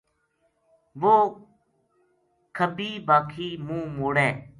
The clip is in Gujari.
واہ کبھی باکھی منہ موڑے